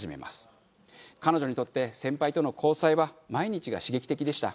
彼女にとって先輩との交際は毎日が刺激的でした。